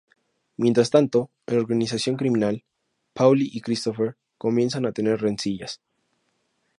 Mientras tanto, en la organización criminal, Paulie y Christopher comienzan a tener rencillas.